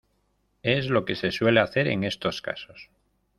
es lo que se suele hacer en estos casos.